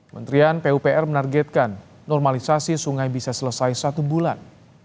menterian pupr menargetkan normalisasi sungai bisa selesai satu bulan